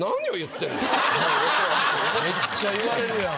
めっちゃ言われるやん。